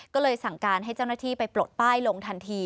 ก็เลยสั่งการให้เจ้าหน้าที่ไปปลดป้ายลงทันที